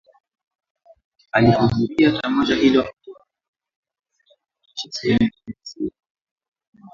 Alihudhuria tamasha hilo akiwa amevalia nguo zinazoonyesha sehemu zake za siri